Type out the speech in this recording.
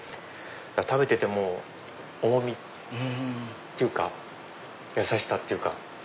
食べてても重みっていうか優しさっていうか。